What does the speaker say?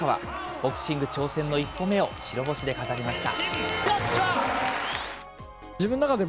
ボクシング挑戦の一歩目を白星で飾りました。